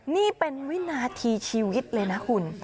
นี่เป็นวินาทีชีวิตเลยนะคุณ